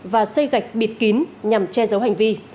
và xây gạch bịt kín nhằm che giấu hành vi